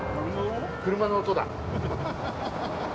車の音だ。